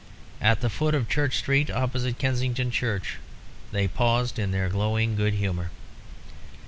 At the foot of Church Street, opposite Kensington Church, they paused in their glowing good humour.